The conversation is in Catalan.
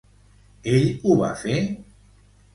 Ell ho va fer?